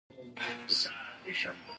افغانستان کې د کلي په اړه زده کړه کېږي.